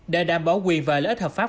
để đảm bảo quyền và lợi ích hợp pháp